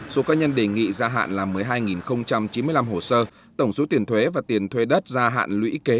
số cá nhân đề nghị gia hạn là một mươi hai chín mươi năm hồ sơ tổng số tiền thuế và tiền thuê đất gia hạn luy kế